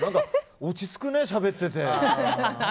落ち着くね、しゃべってて。